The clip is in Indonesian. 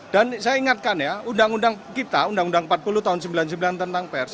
dan saya ingatkan ya undang undang kita undang undang empat puluh tahun sembilan puluh sembilan tentang pers